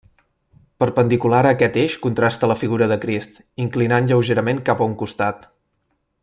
Perpendicular a aquest eix contrasta la figura de Crist, inclinant lleugerament cap a un costat.